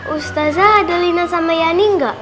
ustazah ada lina sama yani nggak